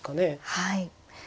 はい。